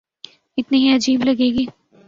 اتنی ہی عجیب لگے گی۔